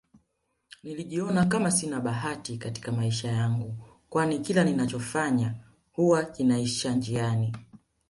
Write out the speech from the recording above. Nilijiona Kama Sina bahati Katika maisha yangu kwani kila ninacho fanya huwa kinaisha njiani